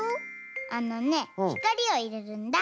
あのねひかりをいれるんだ。